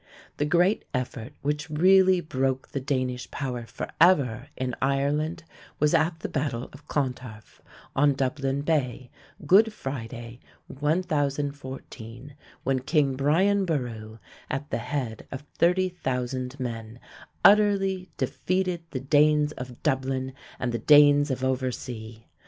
The great effort which really broke the Danish power forever in Ireland was at the battle of Clontarf, on Dublin Bay, Good Friday, 1014, when King Brian Boru, at the head of 30,000 men, utterly defeated the Danes of Dublin and the Danes of oversea.